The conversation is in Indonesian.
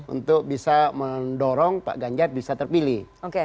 untuk bisa mendorong pak ganjar bisa terpilih